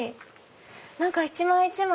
何か一枚一枚。